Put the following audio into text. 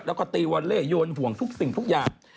แล้วก็ตีวอเล่โยนห่วงทุกสิ่งทุกอย่าง